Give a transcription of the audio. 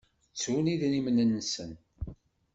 Ttun idrimen-nsen.